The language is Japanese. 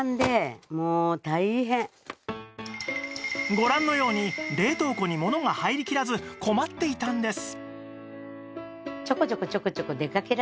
ご覧のように冷凍庫にものが入りきらず困っていたんです